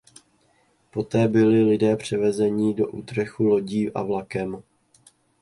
Poté byli lidé převezeni do Utrechtu lodí a vlakem.